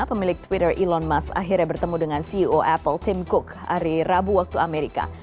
pemilik twitter elon musk akhirnya bertemu dengan ceo apple team cook hari rabu waktu amerika